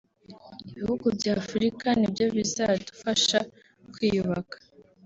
Ibihugu by’Afurika ni byo bizadufasha kwiyubaka